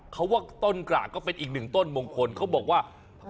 เขาว่าต้นกระก็เป็นอีกหนึ่งต้นมงคลเขาบอกว่า